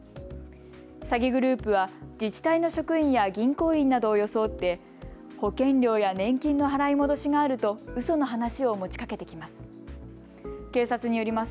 詐欺グループは自治体の職員や銀行員などを装って保険料や年金の払い戻しがあるとうその話を持ちかけてきます。